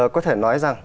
có thể nói rằng